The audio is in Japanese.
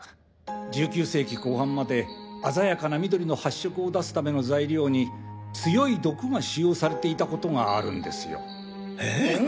１９世紀後半まで鮮やかな緑の発色を出すための材料に強い毒が使用されていたことがあるんですよ。